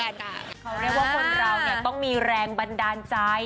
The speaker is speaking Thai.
เขาเรียกว่าคนเราต้องมีแรงบันดาลใจ